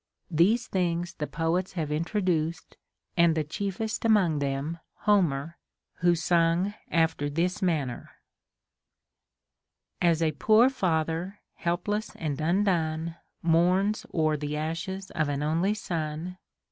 These things the poets have introduced, and the chiefest among them, Homer, who sung after this manner :— As a poor father, helpless and undone, Mourns o'er the ashes of an only son.